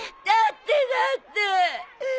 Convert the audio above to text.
だってだって。